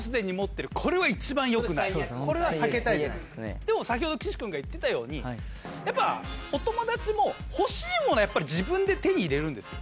でも先ほど岸君が言ってたようにやっぱお友達も欲しいものはやっぱり自分で手に入れるんですよ。